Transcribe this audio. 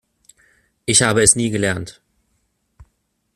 Ich habe es nie gelernt.